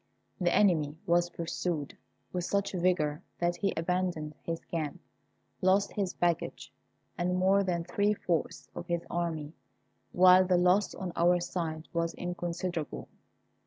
The enemy was pursued with such vigour that he abandoned his camp, lost his baggage, and more than three fourths of his army, while the loss on our side was inconsiderable.